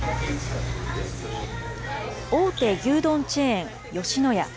大手牛丼チェーン、吉野家。